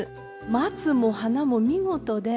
松も花も見事で。